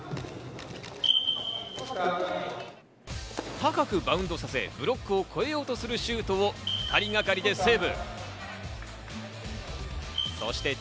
高くバウンドさせブロックを越えようとするシュートを２人がかりでセーブ。